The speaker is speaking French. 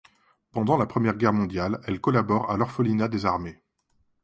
Pendant la Première Guerre mondiale, elle collabore à l'Orphelinat des Armées.